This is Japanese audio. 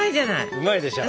うまいでしょ？